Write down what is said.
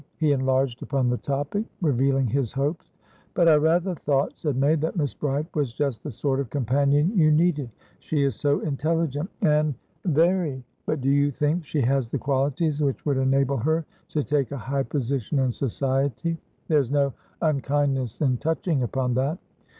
He enlarged upon the topic, revealing his hopes. "But I rather thought," said May, "that Miss Bride was just the sort of companion you needed. She is so intelligent and" "Very! But do you think she has the qualities which would enable her to take a high position in society? There's no unkindness in touching upon that.